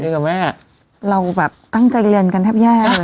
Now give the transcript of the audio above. เหมือนด้วยกับแม่เราแบบตั้งใจเรียนกันแทบแย่เลยไม่น่า